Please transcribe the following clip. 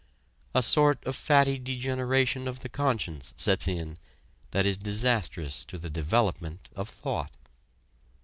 A sort of fatty degeneration of the conscience sets in that is disastrous to the development of thought.